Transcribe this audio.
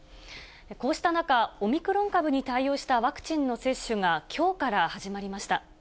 こうした中、オミクロン株に対応したワクチンの接種がきょうから始まりました。